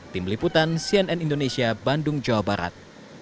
tim liputan cnn indonesia bandung jawa barat